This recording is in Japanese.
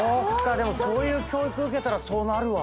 そういう教育受けたらそうなるわ。